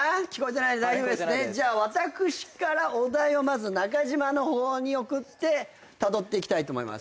じゃあ私からお題をまず中島の方に送ってたどっていきたいと思います。